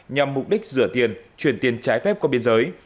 nhằm mục đích rửa tiền chuyển tiền trái phép qua biên giới